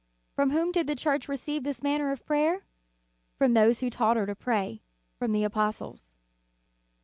From whom did the Church receive this manner of prayer? From those who taught her to pray; from the Apostles.""